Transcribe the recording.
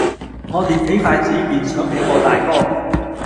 我捏起筷子，便想起我大哥；